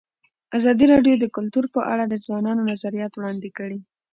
ازادي راډیو د کلتور په اړه د ځوانانو نظریات وړاندې کړي.